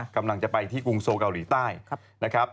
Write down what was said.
กำลังจะไปที่กรุงโซเกาหลีใต้นะครับ